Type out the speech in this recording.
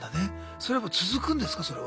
それは続くんですかそれは。